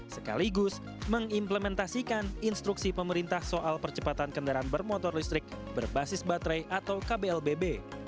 sekaligus mengimplementasikan instruksi pemerintah soal percepatan kendaraan bermotor listrik berbasis baterai atau kblbb